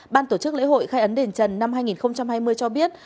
ban tổ chức lễ hội khai ấn đền trần năm hai nghìn hai mươi cho biết